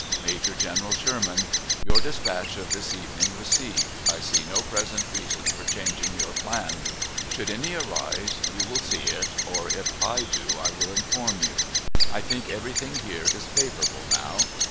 Major General SHERMAN: Your dispatch of this evening received. I see no present reason for changing your plan. Should any arise, you will see it, or if I do I will inform you. I think everything here is favorable now.